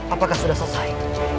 apakah sudah selesai